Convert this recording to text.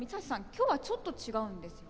今日はちょっと違うんですよね。